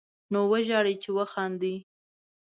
نو وژاړئ، چې وخاندئ